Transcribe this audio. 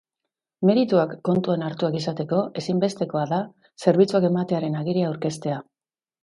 Merituak kontuan hartuak izateko, ezinbestekoa da zerbitzuak ematearen agiria aurkeztea.